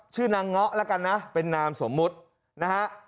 ชื่อนางเงาะแล้วกันนะเป็นนามสมมุตินะฮะ